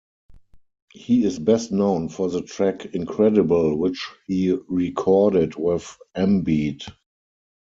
He is best known for the track "Incredible" which he recorded with M-Beat.